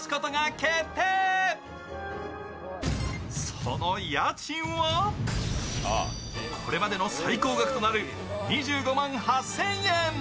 その家賃はこれまでの最高額となる２５万８０００円。